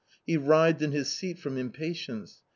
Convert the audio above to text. He writhed in his seat from impatience.